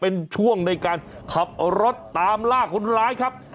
เป็นช่วงในการขับรถตามล่าคนร้ายครับ